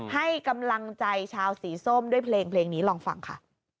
ให้กำลังใจชาวสีส้มด้วยเพลงนี้ลองฟังค่ะ